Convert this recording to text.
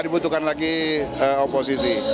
kita butuhkan lagi oposisi